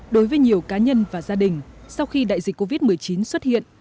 đối với nhiều cá nhân và gia đình sau khi đại dịch covid một mươi chín xuất hiện